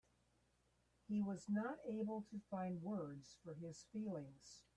He was not able to find words for his feelings.